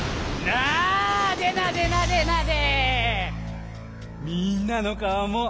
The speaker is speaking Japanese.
なでなでなでなで。